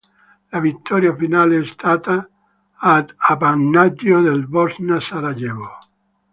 La vittoria finale è stata ad appannaggio del Bosna Sarajevo.